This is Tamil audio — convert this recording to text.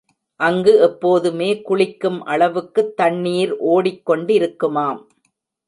அங்கு எப்போதுமே குளிக்கும் அளவுக்குத் தண்ணீர் ஓடிக் கொண்டிருக்குமாம்.